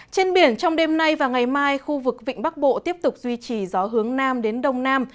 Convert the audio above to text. trên biển trong đêm nay và ngày mai khu vực vịnh bắc bộ tiếp tục duy trì gió hướng nam đến đông nam